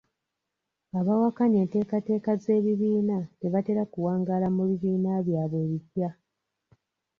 Abawakanya enteekateeka z'ebibiina tebatera kuwangaala mu bibiina byabwe ebipya.